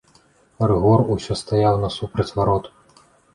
Рыгор усё стаяў насупраць варот.